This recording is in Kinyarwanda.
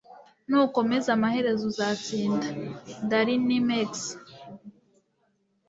Nukomeza amaherezo uzatsinda (darinmex)